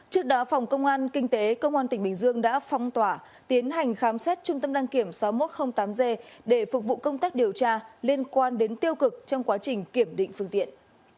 trước đó phòng công an kinh tế công an tỉnh bình dương đã phong tỏa tiến hành khám xét trung tâm đăng kiểm sáu nghìn một trăm linh tám g để phục vụ công tác điều tra liên quan đến tiêu cực trong quá trình kiểm định phương tiện